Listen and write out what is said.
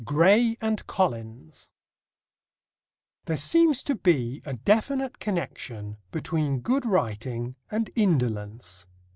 GRAY AND COLLINS There seems to be a definite connection between good writing and indolence.